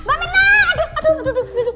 aduh aduh aduh aduh